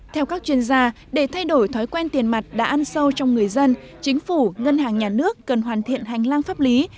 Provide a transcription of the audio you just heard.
theo các chuyên gia để thay đổi thói quen tiền mặt đã ăn sâu trong người dân chính phủ ngân hàng nhà nước cần hoàn thiện hành lang pháp lý